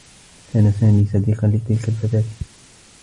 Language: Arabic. كان سامي صديقا لتلك الفتاة.